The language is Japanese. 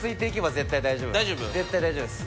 絶対大丈夫です。